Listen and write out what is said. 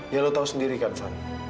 ya lo tahu sendiri kan saya